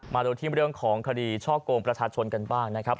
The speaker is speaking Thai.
มาดูที่เรื่องของคดีช่อกงประชาชนกันบ้างนะครับ